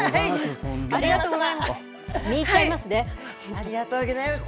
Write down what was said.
ありがとうございます。